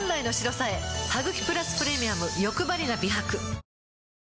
「ハグキプラスプレミアムよくばりな美白」